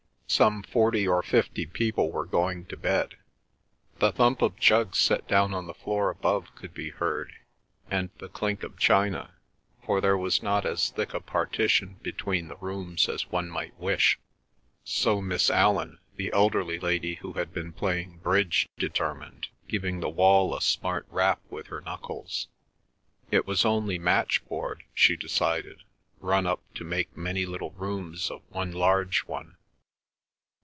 Some forty or fifty people were going to bed. The thump of jugs set down on the floor above could be heard and the clink of china, for there was not as thick a partition between the rooms as one might wish, so Miss Allan, the elderly lady who had been playing bridge, determined, giving the wall a smart rap with her knuckles. It was only matchboard, she decided, run up to make many little rooms of one large one.